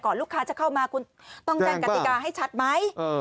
ลูกค้าจะเข้ามาคุณต้องแจ้งกติกาให้ชัดไหม